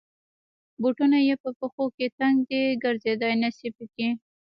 بوټونه یې په پښو کې تنګ دی. ګرځېدای نشی پکې.